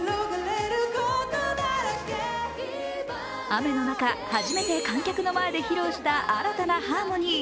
雨の中、初めて観客の前で披露した新たなハーモニー。